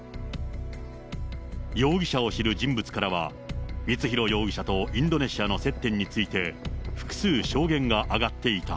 容疑者を知る人物からは、光弘容疑者とインドネシアの接点について、複数証言が挙がっていた。